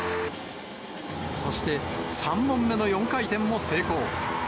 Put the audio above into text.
そして、３本目の４回転も成功。